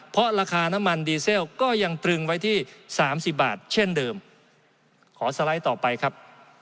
เพราะราคาน้ำมันดีเซลก็ยังตรึงไว้ที่สามสิบบาทเช่นเดิมขอสไลด์ต่อไปครับ